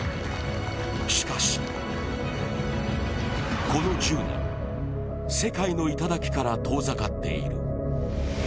しかし、この１０年、世界の頂から遠ざかっている。